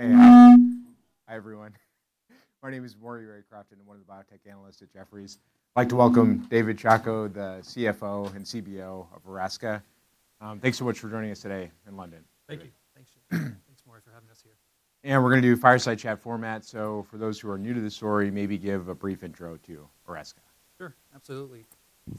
Hi, everyone. My name is Maury Raycroft, and I'm one of the biotech analysts at Jefferies. I'd like to welcome David Chacko, the CFO and CBO of Erasca. Thanks so much for joining us today in London. Thank you. Thanks, Maury, for having us here. We're going to do a fireside chat format. For those who are new to the story, maybe give a brief intro to Erasca. Sure, absolutely.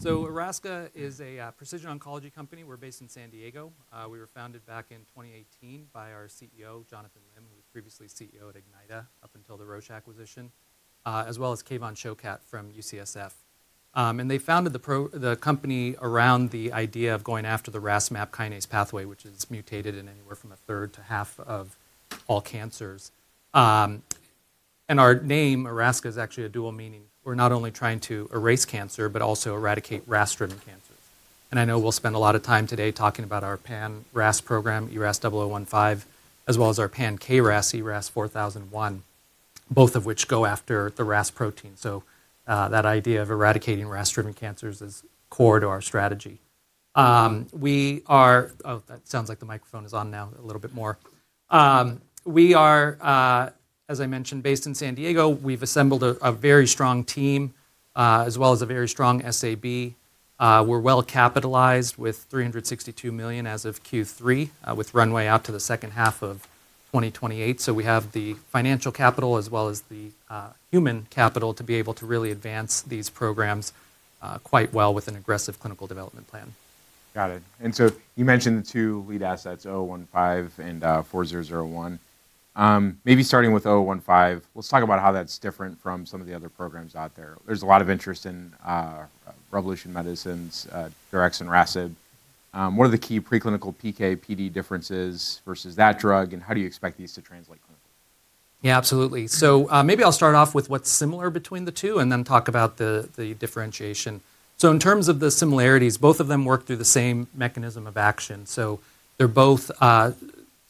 Erasca is a precision oncology company. We're based in San Diego. We were founded back in 2018 by our CEO, Jonathan Lim, who was previously CEO at Ignyta up until the Roche acquisition, as well as Kevan Shokat from UCSF. They founded the company around the idea of going after the RAS-MAP kinase pathway, which is mutated in anywhere from a third to half of all cancers. Our name, Erasca, is actually a dual meaning. We're not only trying to erase cancer, but also eradicate RAS-driven cancers. I know we'll spend a lot of time today talking about our pan-RAS program, ERAS-0015, as well as our pan-KRAS, ERAS-4001, both of which go after the RAS protein. That idea of eradicating RAS-driven cancers is core to our strategy. We are, oh, that sounds like the microphone is on now a little bit more. We are, as I mentioned, based in San Diego. We've assembled a very strong team, as well as a very strong SAB. We're well capitalized with $362 million as of Q3, with runway out to the second half of 2028. We have the financial capital as well as the human capital to be able to really advance these programs quite well with an aggressive clinical development plan. Got it. You mentioned the two lead assets, 0015 and 4001. Maybe starting with 0015, let's talk about how that's different from some of the other programs out there. There's a lot of interest in Revolution Medicines' Daraxonrasib. What are the key preclinical PK/PD differences versus that drug, and how do you expect these to translate clinically? Yeah, absolutely. Maybe I'll start off with what's similar between the two and then talk about the differentiation. In terms of the similarities, both of them work through the same mechanism of action. They're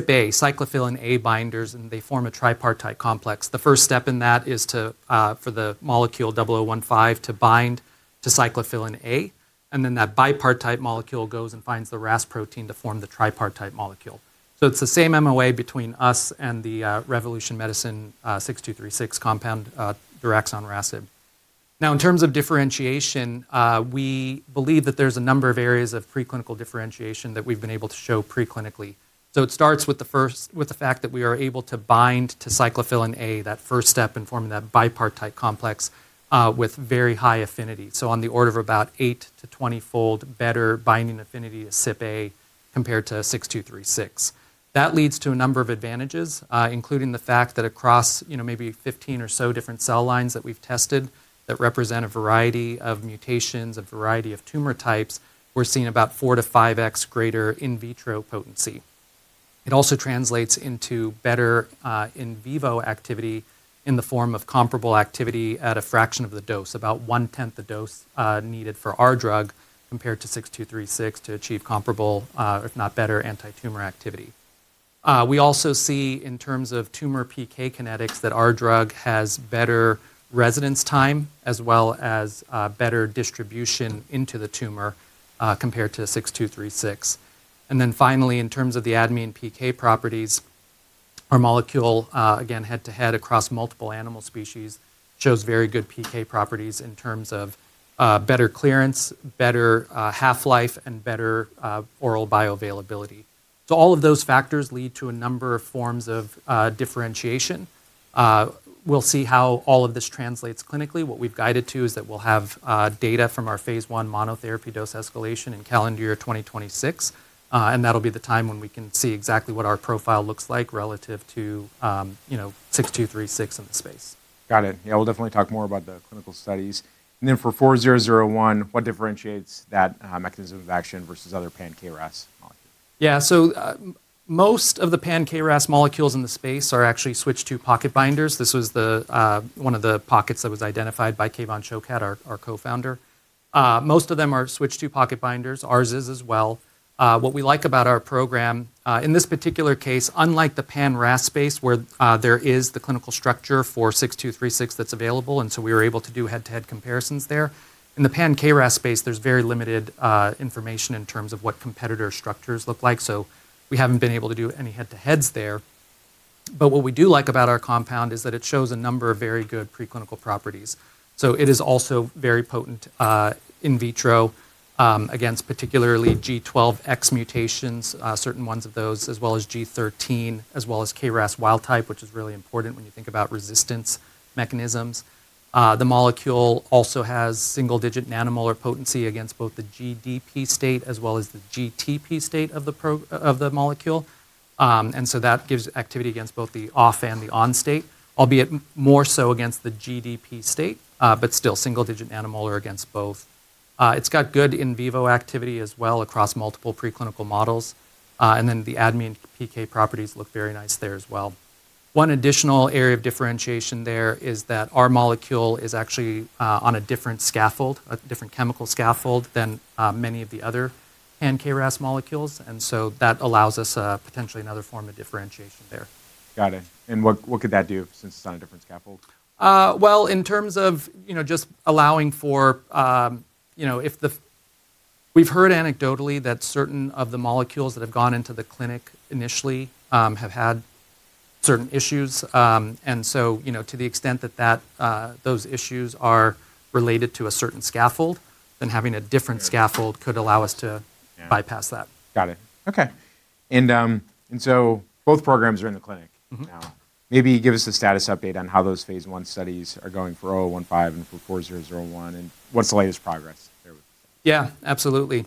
both CypA, cyclophilin A binders, and they form a tripartite complex. The first step in that is for the molecule 0015 to bind to cyclophilin A, and then that bipartite molecule goes and finds the RAS protein to form the tripartite molecule. It's the same MOA between us and the Revolution Medicines 6236 compound, Daraxonrasib. In terms of differentiation, we believe that there's a number of areas of preclinical differentiation that we've been able to show preclinically. It starts with the fact that we are able to bind to cyclophilin A, that first step in forming that bipartite complex with very high affinity, on the order of about 8-20-fold better binding affinity to CypA compared to 6236. That leads to a number of advantages, including the fact that across maybe 15 or so different cell lines that we've tested that represent a variety of mutations, a variety of tumor types, we're seeing about 4-5x greater in vitro potency. It also translates into better in vivo activity in the form of comparable activity at a fraction of the dose, about one-tenth the dose needed for our drug compared to 6236 to achieve comparable, if not better, anti-tumor activity. We also see, in terms of tumor PK kinetics, that our drug has better residence time as well as better distribution into the tumor compared to 6236. Finally, in terms of the adamine PK properties, our molecule, again, head-to-head across multiple animal species, shows very good PK properties in terms of better clearance, better half-life, and better oral bioavailability. All of those factors lead to a number of forms of differentiation. We will see how all of this translates clinically. What we have guided to is that we will have data from our phase one monotherapy dose escalation in calendar year 2026, and that will be the time when we can see exactly what our profile looks like relative to 6236 in the space. Got it. Yeah, we'll definitely talk more about the clinical studies. For 4001, what differentiates that mechanism of action versus other pan-KRAS molecules? Yeah, so most of the pan-KRAS molecules in the space are actually switch-II pocket binders. This was one of the pockets that was identified by Kevan Shokat, our co-founder. Most of them are switch-II pocket binders. Ours is as well. What we like about our program, in this particular case, unlike the pan-RAS space where there is the clinical structure for 6236 that's available, and so we were able to do head-to-head comparisons there, in the pan-KRAS space, there's very limited information in terms of what competitor structures look like. We haven't been able to do any head-to-heads there. What we do like about our compound is that it shows a number of very good preclinical properties. It is also very potent in vitro against particularly G12X mutations, certain ones of those, as well as G13, as well as KRAS wild type, which is really important when you think about resistance mechanisms. The molecule also has single-digit nanomolar potency against both the GDP state as well as the GTP state of the molecule. That gives activity against both the off and the on state, albeit more so against the GDP state, but still single-digit nanomolar against both. It's got good in vivo activity as well across multiple preclinical models. The adamine PK properties look very nice there as well. One additional area of differentiation there is that our molecule is actually on a different scaffold, a different chemical scaffold than many of the other pan-KRAS molecules. That allows us potentially another form of differentiation there. Got it. What could that do since it's on a different scaffold? In terms of just allowing for—we've heard anecdotally that certain of the molecules that have gone into the clinic initially have had certain issues. To the extent that those issues are related to a certain scaffold, then having a different scaffold could allow us to bypass that. Got it. Okay. Both programs are in the clinic now. Maybe give us a status update on how those phase one studies are going for 0015 and for 4001, and what's the latest progress there? Yeah, absolutely.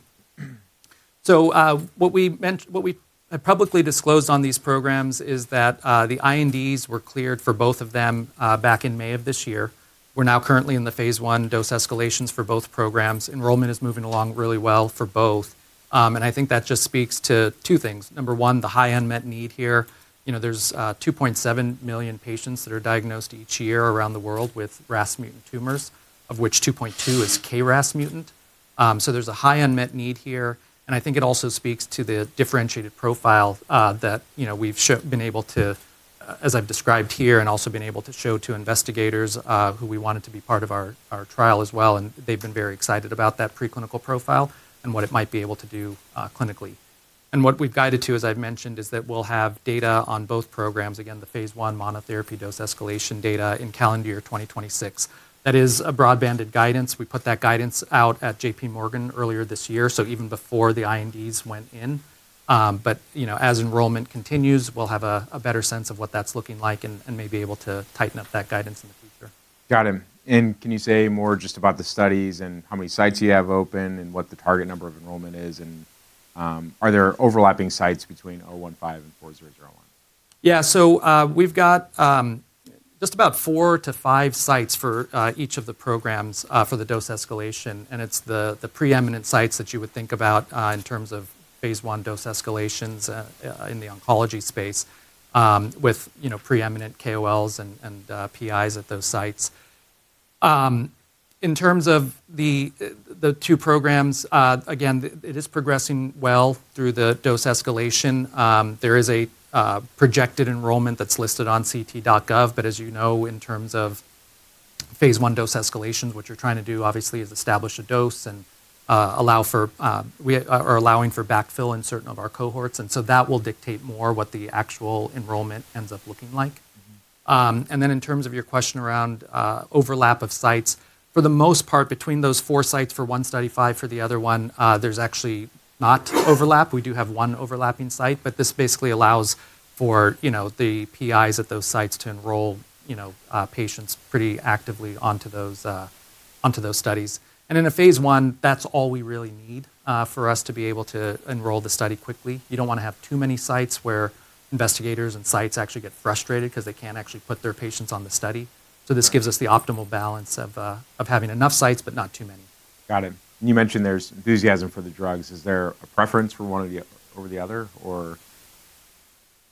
What we publicly disclosed on these programs is that the INDs were cleared for both of them back in May of this year. We're now currently in the phase one dose escalations for both programs. Enrollment is moving along really well for both. I think that just speaks to two things. Number one, the high unmet need here. There are 2.7 million patients that are diagnosed each year around the world with RAS mutant tumors, of which 2.2 million is KRAS mutant. There is a high unmet need here. I think it also speaks to the differentiated profile that we've been able to, as I've described here, and also been able to show to investigators who we wanted to be part of our trial as well. They have been very excited about that preclinical profile and what it might be able to do clinically. What we've guided to, as I've mentioned, is that we'll have data on both programs, again, the phase I monotherapy dose escalation data in calendar year 2026. That is a broadbanded guidance. We put that guidance out at JPMorgan earlier this year, even before the INDs went in. As enrollment continues, we'll have a better sense of what that's looking like and may be able to tighten up that guidance in the future. Got it. Can you say more just about the studies and how many sites you have open and what the target number of enrollment is? Are there overlapping sites between 0015 and 4001? Yeah, so we've got just about four to five sites for each of the programs for the dose escalation. It's the preeminent sites that you would think about in terms of phase one dose escalations in the oncology space with preeminent KOLs and PIs at those sites. In terms of the two programs, again, it is progressing well through the dose escalation. There is a projected enrollment that's listed on ct.gov. As you know, in terms of phase one dose escalations, what you're trying to do, obviously, is establish a dose and allow for—we are allowing for backfill in certain of our cohorts. That will dictate more what the actual enrollment ends up looking like. In terms of your question around overlap of sites, for the most part, between those four sites for one study, five for the other one, there's actually not overlap. We do have one overlapping site, but this basically allows for the PIs at those sites to enroll patients pretty actively onto those studies. In a phase one, that's all we really need for us to be able to enroll the study quickly. You don't want to have too many sites where investigators and sites actually get frustrated because they can't actually put their patients on the study. This gives us the optimal balance of having enough sites but not too many. Got it. You mentioned there's enthusiasm for the drugs. Is there a preference for one over the other or?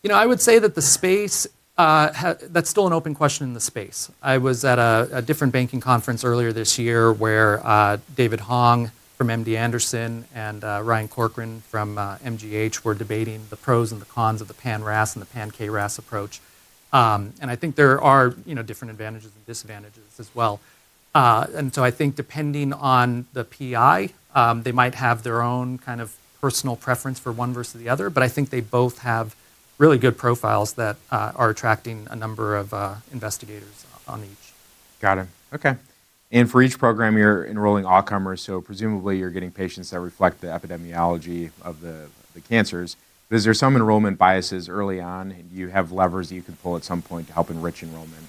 You know, I would say that the space, that's still an open question in the space. I was at a different banking conference earlier this year where David Hong from MD Anderson and Ryan Corcoran from MGH were debating the pros and the cons of the pan-RAS and the pan-KRAS approach. I think there are different advantages and disadvantages as well. I think depending on the PI, they might have their own kind of personal preference for one versus the other, but I think they both have really good profiles that are attracting a number of investigators on each. Got it. Okay. For each program, you're enrolling all comers. Presumably, you're getting patients that reflect the epidemiology of the cancers. Is there some enrollment biases early on? You have levers that you can pull at some point to help enrich enrollment.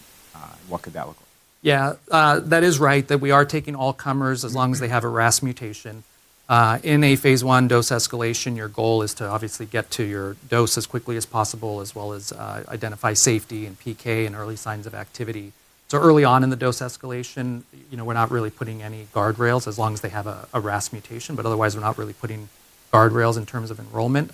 What could that look like? Yeah, that is right, that we are taking all comers as long as they have a RAS mutation. In a phase one dose escalation, your goal is to obviously get to your dose as quickly as possible, as well as identify safety and PK and early signs of activity. Early on in the dose escalation, we're not really putting any guardrails as long as they have a RAS mutation, but otherwise, we're not really putting guardrails in terms of enrollment.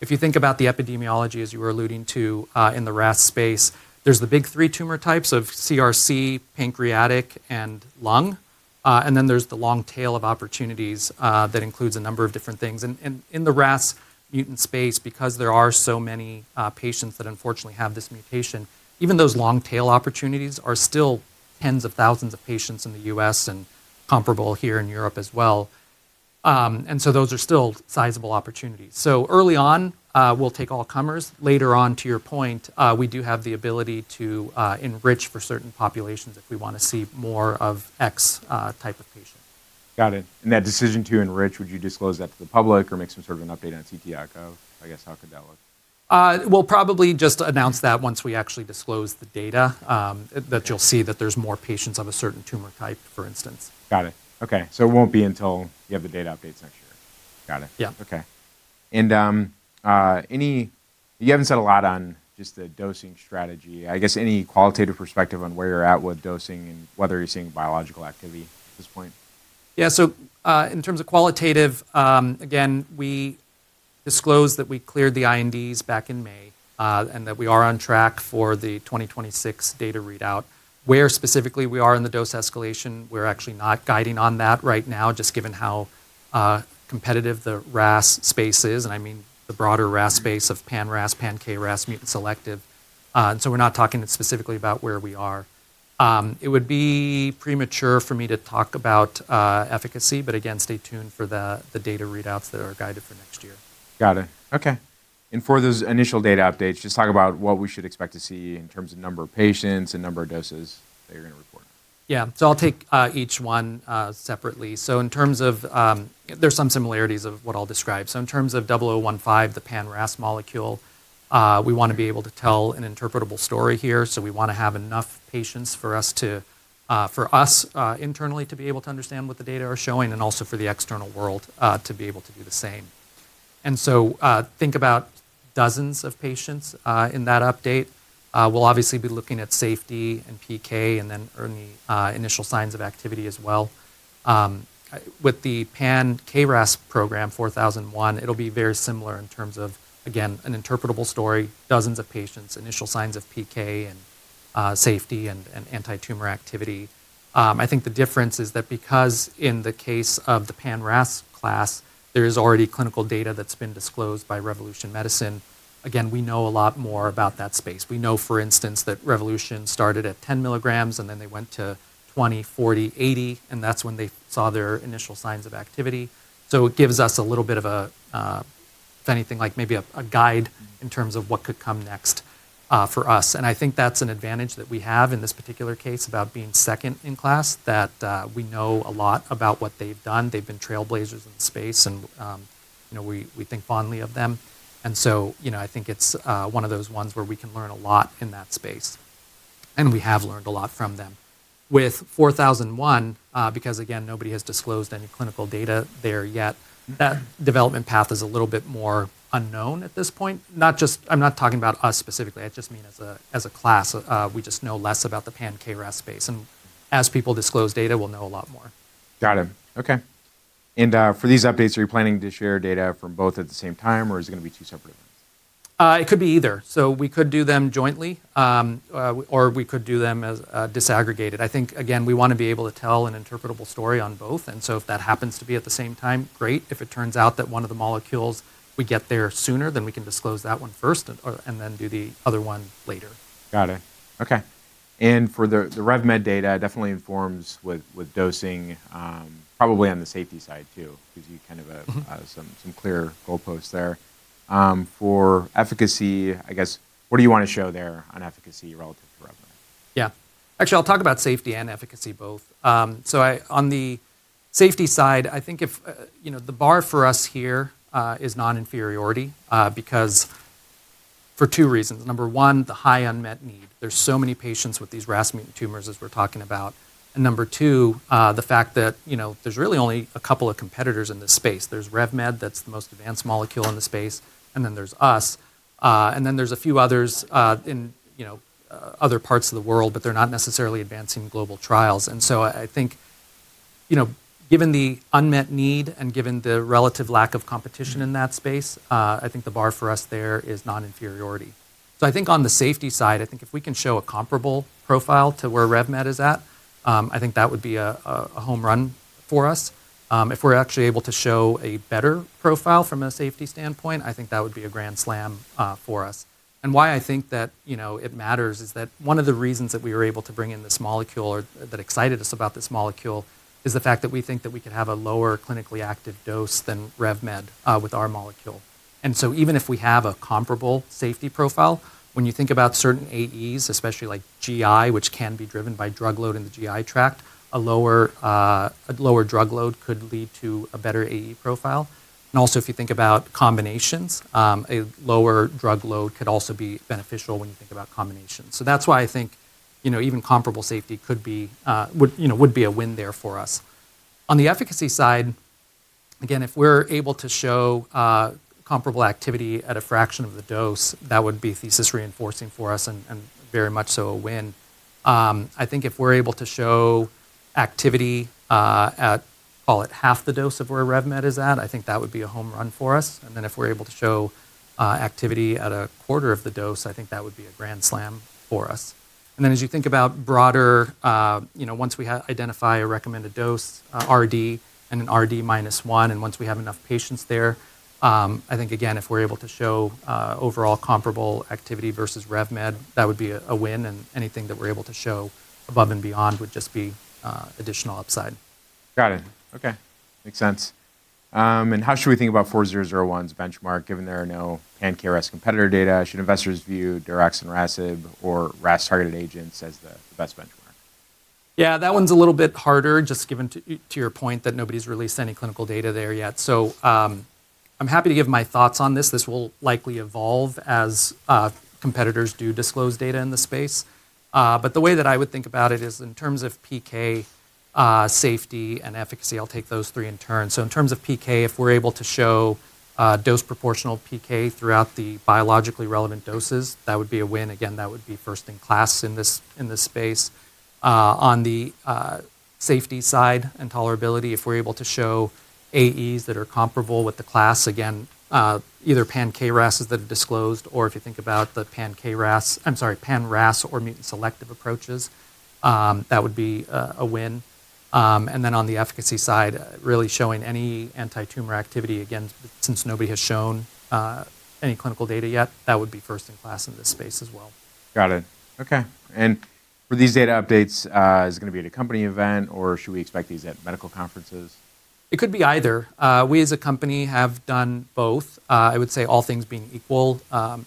If you think about the epidemiology, as you were alluding to in the RAS space, there's the big three tumor types of CRC, pancreatic, and lung. There is the long tail of opportunities that includes a number of different things. In the RAS mutant space, because there are so many patients that unfortunately have this mutation, even those long tail opportunities are still tens of thousands of patients in the U.S. and comparable here in Europe as well. Those are still sizable opportunities. Early on, we'll take all comers. Later on, to your point, we do have the ability to enrich for certain populations if we want to see more of X type of patient. Got it. That decision to enrich, would you disclose that to the public or make some sort of an update on ct.gov? I guess how could that look? We'll probably just announce that once we actually disclose the data, you'll see that there's more patients of a certain tumor type, for instance. Got it. Okay. It will not be until you have the data updates next year. Got it. Yeah. Okay. You have not said a lot on just the dosing strategy. I guess any qualitative perspective on where you are at with dosing and whether you are seeing biological activity at this point? Yeah, so in terms of qualitative, again, we disclosed that we cleared the INDs back in May and that we are on track for the 2026 data readout. Where specifically we are in the dose escalation, we're actually not guiding on that right now, just given how competitive the RAS space is. I mean the broader RAS space of pan-RAS, pan-KRAS, mutant selective. We're not talking specifically about where we are. It would be premature for me to talk about efficacy, but again, stay tuned for the data readouts that are guided for next year. Got it. Okay. For those initial data updates, just talk about what we should expect to see in terms of number of patients and number of doses that you're going to report. Yeah, I'll take each one separately. In terms of, there's some similarities of what I'll describe. In terms of 0015, the pan-RAS molecule, we want to be able to tell an interpretable story here. We want to have enough patients for us internally to be able to understand what the data are showing and also for the external world to be able to do the same. Think about dozens of patients in that update. We'll obviously be looking at safety and PK and then early initial signs of activity as well. With the pan-KRAS program 4001, it'll be very similar in terms of, again, an interpretable story, dozens of patients, initial signs of PK and safety and anti-tumor activity. I think the difference is that because in the case of the pan-RAS class, there is already clinical data that's been disclosed by Revolution Medicines, again, we know a lot more about that space. We know, for instance, that Revolution started at 10 mg and then they went to 20, 40, 80, and that's when they saw their initial signs of activity. It gives us a little bit of a, if anything, like maybe a guide in terms of what could come next for us. I think that's an advantage that we have in this particular case about being second in class, that we know a lot about what they've done. They've been trailblazers in the space, and we think fondly of them. I think it's one of those ones where we can learn a lot in that space. We have learned a lot from them. With 4001, because again, nobody has disclosed any clinical data there yet, that development path is a little bit more unknown at this point. I am not talking about us specifically. I just mean as a class, we just know less about the pan-KRAS space. As people disclose data, we will know a lot more. Got it. Okay. For these updates, are you planning to share data from both at the same time, or is it going to be two separate events? It could be either. We could do them jointly, or we could do them as disaggregated. I think, again, we want to be able to tell an interpretable story on both. If that happens to be at the same time, great. If it turns out that one of the molecules we get there sooner, then we can disclose that one first and then do the other one later. Got it. Okay. For the RevMed data, definitely informs with dosing, probably on the safety side too, because you kind of have some clear goalposts there. For efficacy, I guess, what do you want to show there on efficacy relative to RevMed? Yeah. Actually, I'll talk about safety and efficacy both. On the safety side, I think the bar for us here is non-inferiority because for two reasons. Number one, the high unmet need. There are so many patients with these RAS mutant tumors, as we're talking about. Number two, the fact that there are really only a couple of competitors in this space. There is RevMed which has the most advanced molecule in the space, and then there is us. There are a few others in other parts of the world, but they are not necessarily advancing global trials. I think given the unmet need and given the relative lack of competition in that space, the bar for us there is non-inferiority. I think on the safety side, I think if we can show a comparable profile to where RevMed is at, I think that would be a home run for us. If we're actually able to show a better profile from a safety standpoint, I think that would be a grand slam for us. Why I think that it matters is that one of the reasons that we were able to bring in this molecule or that excited us about this molecule is the fact that we think that we could have a lower clinically active dose than RevMed with our molecule. Even if we have a comparable safety profile, when you think about certain AEs, especially like GI, which can be driven by drug load in the GI tract, a lower drug load could lead to a better AE profile. If you think about combinations, a lower drug load could also be beneficial when you think about combinations. That is why I think even comparable safety would be a win there for us. On the efficacy side, again, if we are able to show comparable activity at a fraction of the dose, that would be thesis reinforcing for us and very much so a win. I think if we are able to show activity at, call it half the dose of where RevMed is at, I think that would be a home run for us. If we are able to show activity at a quarter of the dose, I think that would be a grand slam for us. As you think about broader, once we identify a recommended dose, RD and an RD minus one, and once we have enough patients there, I think, again, if we are able to show overall comparable activity versus RevMed, that would be a win. Anything that we are able to show above and beyond would just be additional upside. Got it. Okay. Makes sense. How should we think about 4001's benchmark given there are no pan-KRAS competitor data? Should investors view Daraxonrasib or RAS targeted agents as the best benchmark? Yeah, that one's a little bit harder just given to your point that nobody's released any clinical data there yet. I'm happy to give my thoughts on this. This will likely evolve as competitors do disclose data in the space. The way that I would think about it is in terms of PK, safety, and efficacy. I'll take those three in turn. In terms of PK, if we're able to show dose proportional PK throughout the biologically relevant doses, that would be a win. That would be first in class in this space. On the safety side and tolerability, if we're able to show AEs that are comparable with the class, either pan-KRAS that are disclosed or if you think about the pan-KRAS, I'm sorry, pan-RAS or mutant selective approaches, that would be a win. On the efficacy side, really showing any anti-tumor activity, again, since nobody has shown any clinical data yet, that would be first in class in this space as well. Got it. Okay. For these data updates, is it going to be at a company event or should we expect these at medical conferences? It could be either. We, as a company, have done both. I would say all things being equal,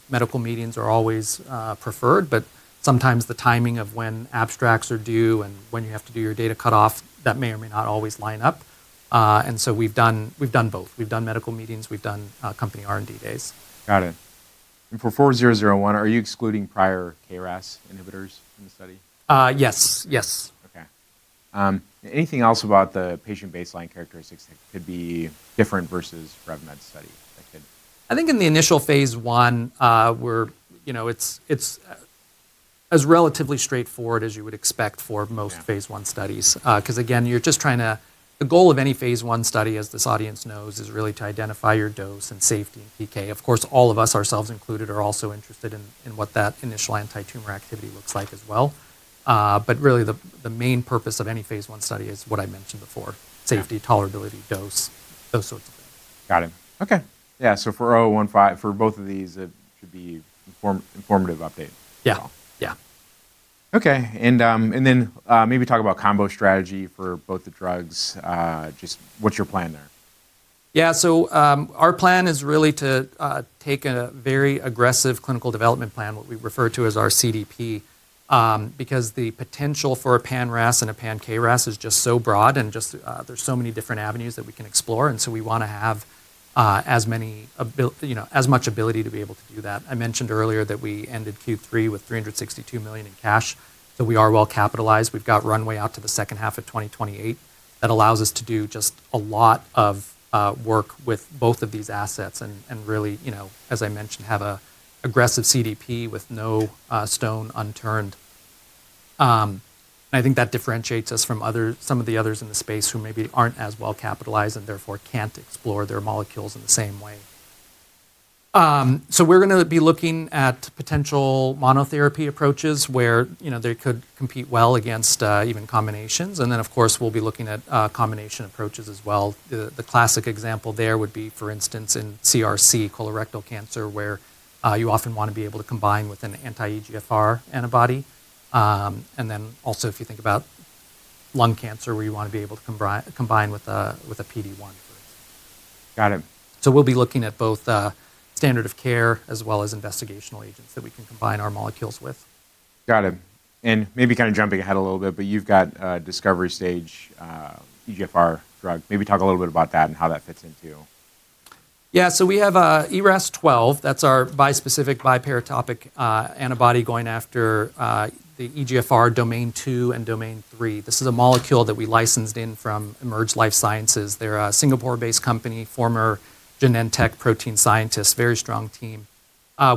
medical meetings are always preferred, but sometimes the timing of when abstracts are due and when you have to do your data cutoff, that may or may not always line up. We have done both. We have done medical meetings. We have done company R&D days. Got it. For 4001, are you excluding prior KRAS inhibitors in the study? Yes. Yes. Okay. Anything else about the patient baseline characteristics that could be different versus RevMed study? I think in the initial phase one, it's as relatively straightforward as you would expect for most phase one studies. Because again, you're just trying to, the goal of any phase one study, as this audience knows, is really to identify your dose and safety and PK. Of course, all of us, ourselves included, are also interested in what that initial anti-tumor activity looks like as well. Really, the main purpose of any phase one study is what I mentioned before: safety, tolerability, dose, those sorts of things. Got it. Okay. Yeah. For 0015, for both of these, it should be an informative update as well. Yeah. Yeah. Okay. Maybe talk about combo strategy for both the drugs. Just what's your plan there? Yeah. Our plan is really to take a very aggressive clinical development plan, what we refer to as our CDP, because the potential for a pan-RAS and a pan-KRAS is just so broad and just there's so many different avenues that we can explore. We want to have as much ability to be able to do that. I mentioned earlier that we ended Q3 with $362 million in cash. We are well capitalized. We've got runway out to the second half of 2028 that allows us to do just a lot of work with both of these assets and really, as I mentioned, have an aggressive CDP with no stone unturned. I think that differentiates us from some of the others in the space who maybe aren't as well capitalized and therefore can't explore their molecules in the same way. We're going to be looking at potential monotherapy approaches where they could compete well against even combinations. Of course, we'll be looking at combination approaches as well. The classic example there would be, for instance, in CRC, colorectal cancer, where you often want to be able to combine with an anti-EGFR antibody. Also, if you think about lung cancer, where you want to be able to combine with a PD-1. Got it. We will be looking at both standard of care as well as investigational agents that we can combine our molecules with. Got it. Maybe kind of jumping ahead a little bit, but you have got discovery stage EGFR drug. Maybe talk a little bit about that and how that fits into. Yeah. We have ERAS-12. That's our bispecific bi-paratopic antibody going after the EGFR domain 2 and domain 3. This is a molecule that we licensed in from Emerge Life Sciences. They're a Singapore-based company, former Genentech protein scientists, very strong team.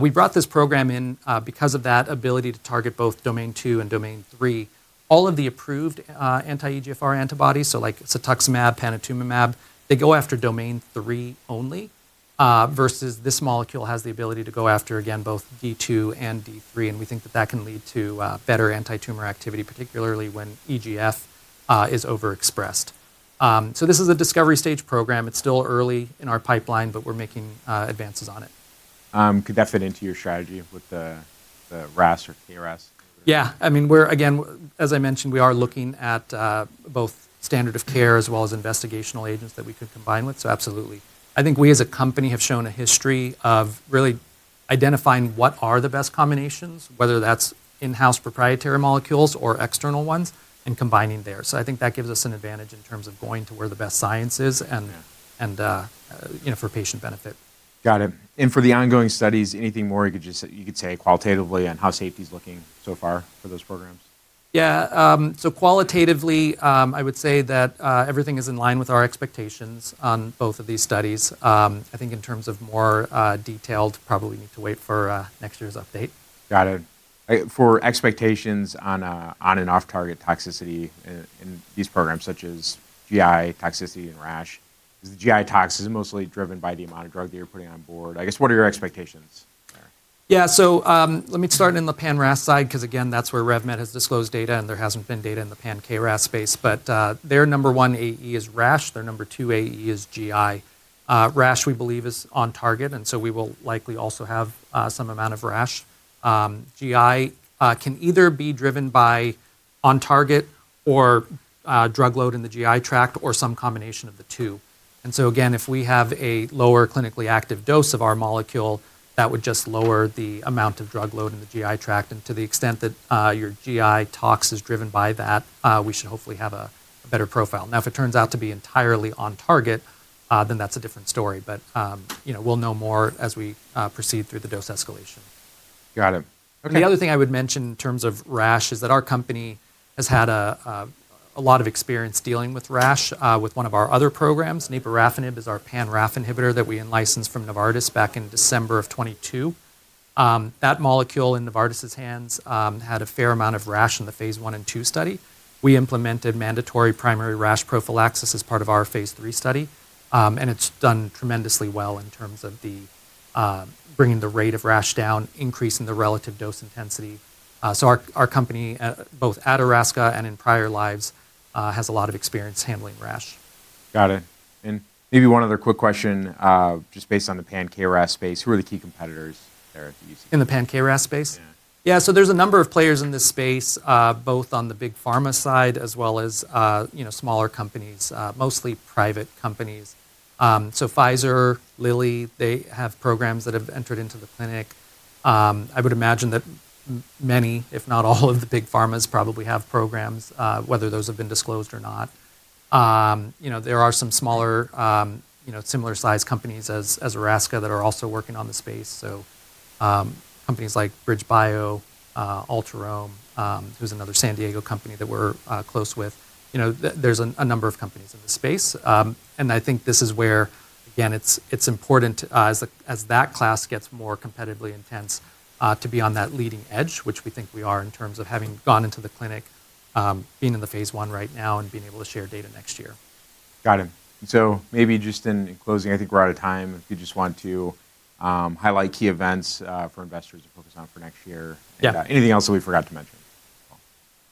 We brought this program in because of that ability to target both domain two and domain three. All of the approved anti-EGFR antibodies, so like cetuximab, panitumumab, they go after domain three only versus this molecule has the ability to go after, again, both D2 and D3. We think that that can lead to better anti-tumor activity, particularly when EGF is overexpressed. This is a discovery stage program. It's still early in our pipeline, but we're making advances on it. Could that fit into your strategy with the RAS or KRAS? Yeah. I mean, we're, again, as I mentioned, we are looking at both standard of care as well as investigational agents that we could combine with. Absolutely. I think we, as a company, have shown a history of really identifying what are the best combinations, whether that's in-house proprietary molecules or external ones, and combining there. I think that gives us an advantage in terms of going to where the best science is and for patient benefit. Got it. For the ongoing studies, anything more you could say qualitatively on how safety is looking so far for those programs? Yeah. Qualitatively, I would say that everything is in line with our expectations on both of these studies. I think in terms of more detailed, probably we need to wait for next year's update. Got it. For expectations on on-and-off target toxicity in these programs, such as GI toxicity and RASH, is the GI toxicity mostly driven by the amount of drug that you're putting on board? I guess what are your expectations there? Yeah. Let me start in the pan-RAS side because, again, that's where RevMed has disclosed data and there hasn't been data in the pan-KRAS space. Their number one AE is RASH. Their number two AE is GI. RASH, we believe, is on target, and we will likely also have some amount of RASH. GI can either be driven by on-target or drug load in the GI tract or some combination of the two. If we have a lower clinically active dose of our molecule, that would just lower the amount of drug load in the GI tract. To the extent that your GI tox is driven by that, we should hopefully have a better profile. If it turns out to be entirely on target, then that's a different story. We will know more as we proceed through the dose escalation. Got it. Okay. The other thing I would mention in terms of RASH is that our company has had a lot of experience dealing with RASH with one of our other programs. Naporafenib is our pan-RAS inhibitor that we licensed from Novartis back in December of 2022. That molecule in Novartis's hands had a fair amount of RASH in the phase one and two study. We implemented mandatory primary RASH prophylaxis as part of our phase three study. It has done tremendously well in terms of bringing the rate of RASH down, increasing the relative dose intensity. Our company, both at Erasca and in prior lives, has a lot of experience handling RASH. Got it. Maybe one other quick question, just based on the pan-KRAS space, who are the key competitors there that you see? In the pan-KRAS space? Yeah. Yeah. There is a number of players in this space, both on the big pharma side as well as smaller companies, mostly private companies. Pfizer, Lilly, they have programs that have entered into the clinic. I would imagine that many, if not all, of the big pharmas probably have programs, whether those have been disclosed or not. There are some smaller similar-sized companies as Erasca that are also working on the space. Companies like BridgeBio, Alterome, who is another San Diego company that we are close with. There is a number of companies in the space. I think this is where, again, it is important as that class gets more competitively intense to be on that leading edge, which we think we are in terms of having gone into the clinic, being in the phase one right now, and being able to share data next year. Got it. Maybe just in closing, I think we're out of time. If you just want to highlight key events for investors to focus on for next year. Anything else that we forgot to mention?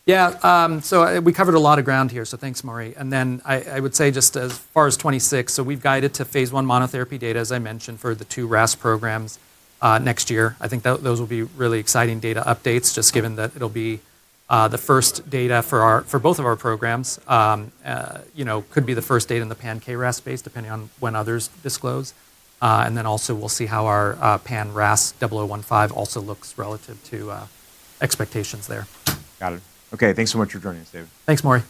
Yeah. We covered a lot of ground here. Thanks, Maury. I would say just as far as 2026, we have guided to phase I monotherapy data, as I mentioned, for the two RAS programs next year. I think those will be really exciting data updates just given that it will be the first data for both of our programs. It could be the first data in the pan-KRAS space depending on when others disclose. We will also see how our pan-RAS 0015 looks relative to expectations there. Got it. Okay. Thanks so much for joining us, David. Thanks, Maury.